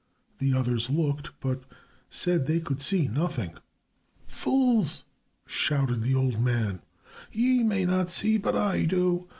The others looked, but said they could see nothing. "Fools," shouted the old man, "ye may not see, but I do.